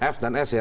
f dan s ya